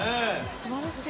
すばらしい。